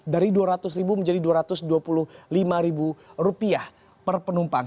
dari rp dua ratus menjadi rp dua ratus dua puluh lima per penumpang